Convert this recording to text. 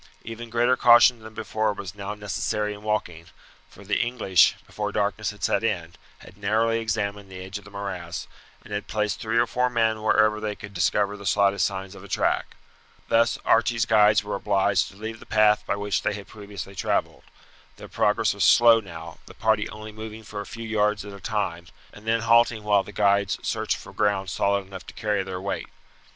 Even greater caution than before was now necessary in walking, for the English, before darkness had set in, had narrowly examined the edge of the morass, and had placed three or four men wherever they could discover the slightest signs of a track. Thus Archie's guides were obliged to leave the path by which they had previously travelled. Their progress was slow now, the party only moving for a few yards at a time, and then halting while the guides searched for ground solid enough to carry their weight.